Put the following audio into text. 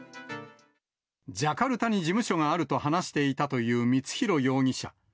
ジャカルタに事務所があると話していたという光弘容疑者。